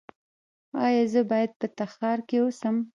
ایا زه باید په تخار کې اوسم؟